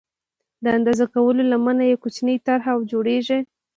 د اندازه کولو لمنه یې کوچنۍ طرحه او جوړېږي.